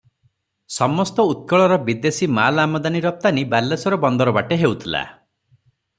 ସମସ୍ତ ଉତ୍କଳର ବିଦେଶୀ ମାଲ ଆମଦାନି ରପ୍ତାନି ବାଲେଶ୍ୱର ବନ୍ଦର ବାଟେ ହେଉଥିଲା ।